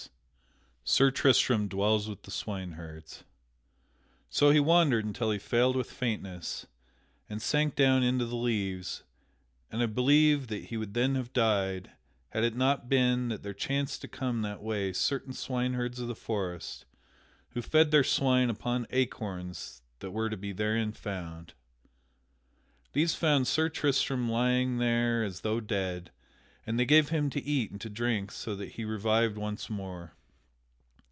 [Sidenote: Sir Tristram dwells with the swineherds] So he wandered until he failed with faintness, and sank down into the leaves; and I believe that he would then have died, had it not been that there chanced to come that way certain swineherds of the forest who fed their swine upon acorns that were to be therein found. These found Sir Tristram lying there as though dead, and they gave him to eat and to drink so that he revived once more.